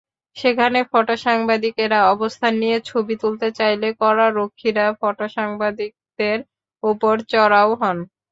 সেখানে ফটোসাংবাদিকেরা অবস্থান নিয়ে ছবি তুলতে চাইলে করারক্ষীরা ফটোসাংবাদিকদের ওপর চড়াও হন।